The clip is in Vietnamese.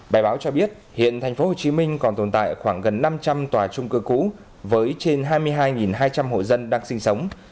bài báo cho biết hiện tp hcm còn tồn tại khoảng gần năm trăm linh tòa trung cư cũ với trên hai mươi hai hai trăm linh hộ dân đang sinh sống